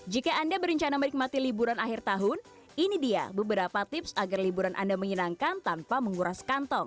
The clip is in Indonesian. jika anda berencana menikmati liburan akhir tahun ini dia beberapa tips agar liburan anda menyenangkan tanpa menguras kantong